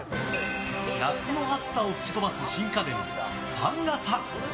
夏の暑さを吹き飛ばす新家電ファン傘。